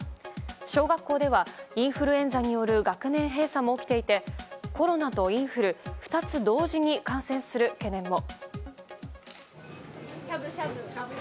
小学校ではインフルエンザによる学年閉鎖も起きていてコロナとインフル２つ同時に感染する懸念も。